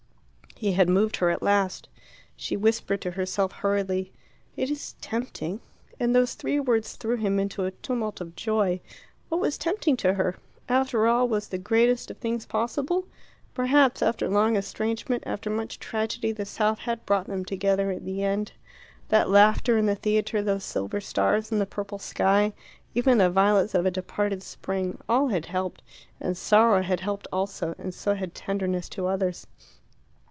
He had moved her at last. She whispered to herself hurriedly. "It is tempting " And those three words threw him into a tumult of joy. What was tempting to her? After all was the greatest of things possible? Perhaps, after long estrangement, after much tragedy, the South had brought them together in the end. That laughter in the theatre, those silver stars in the purple sky, even the violets of a departed spring, all had helped, and sorrow had helped also, and so had tenderness to others.